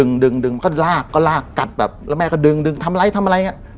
มันก็ลากก็ลากกัดแบบแล้วแม่ก็ดึงดึงทำอะไรทำอะไรเนี่ย